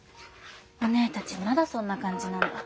おねぇたちまだそんな感じなんだ。